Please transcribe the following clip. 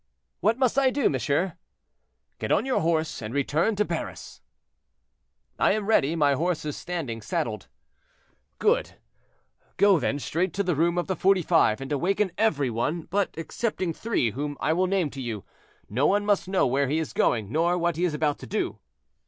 "—"What must I do, monsieur?" "Get on your horse and return to Paris." "I am ready; my horse is standing saddled." "Good; go then straight to the room of the Forty five, and awaken every one; but excepting three, whom I will name to you, no one must know where he is going, nor what he is about to do."